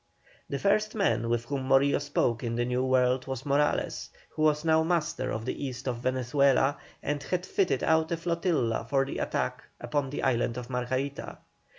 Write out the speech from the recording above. The first man with whom Morillo spoke in the New World was Morales, who was now master of the east of Venezuela, and had fitted out a flotilla for an attack upon the island of Margarita.